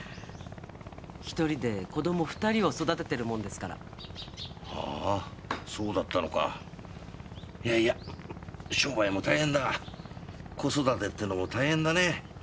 １人で子ども２人を育ててるもんですからほぉそうだったのかいやいや商売も大変だが子育てってのも大変だね